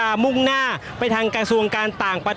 ก็น่าจะมีการเปิดทางให้รถพยาบาลเคลื่อนต่อไปนะครับ